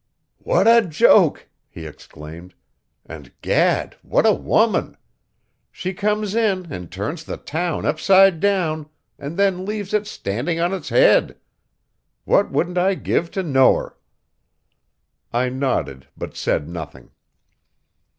"What a joke!" he exclaimed. "And gad, what a woman! She comes in and turns the town upside down and then leaves it standing on its head. What wouldn't I give to know her!" I nodded, but said nothing.